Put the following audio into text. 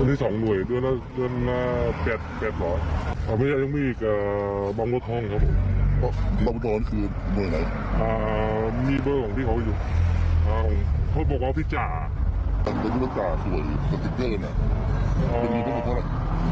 อัดอั้นตามใจขนาดไหนมีเบอร์ของพี่เขาอยู่พี่จ๋าสวยสติกเกอร์ที่ด้วยอะไร